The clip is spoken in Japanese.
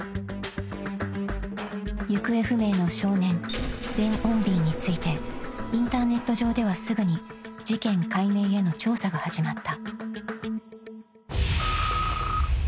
［行方不明の少年ベン・オンビーについてインターネット上ではすぐに事件解明への調査が始まった］